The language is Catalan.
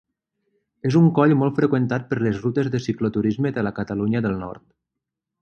És un coll molt freqüentat per les rutes de cicloturisme de la Catalunya del Nord.